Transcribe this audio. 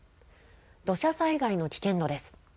土砂災害の危険度です。